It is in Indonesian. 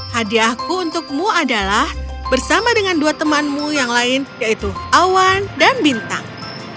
hadiahku untukmu adalah bersama dengan dua temanmu yang lain yaitu awan dan bintang